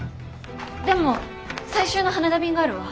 でも最終の羽田便があるわ。